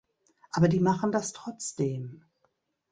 Aber die machen das trotzdem.